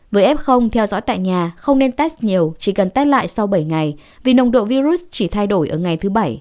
với f theo dõi tại nhà không nên test nhiều chỉ cần test lại sau bảy ngày vì nồng độ virus chỉ thay đổi ở ngày thứ bảy